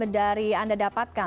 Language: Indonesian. dari anda dapatkan